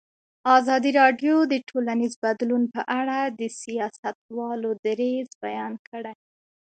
ازادي راډیو د ټولنیز بدلون په اړه د سیاستوالو دریځ بیان کړی.